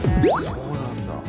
そうなんだ。